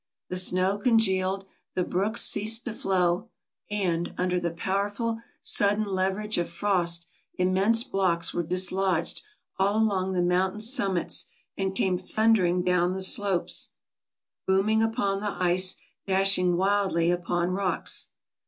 The snow congealed, the brooks ceased to flow, and, under the powerful, sudden leverage of frost, immense blocks were dislodged all along the mountain summits and came thunder ing down the slopes, booming upon the ice, dashing wildly upon rocks.